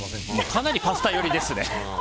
かなりパスタ寄りですね。